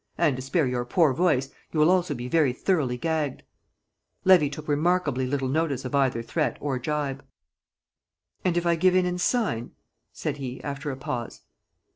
And to spare your poor voice you will also be very thoroughly gagged." Levy took remarkably little notice of either threat or gibe. "And if I give in and sign?" said he, after a pause.